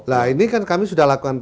nah ini kan kami sudah lakukan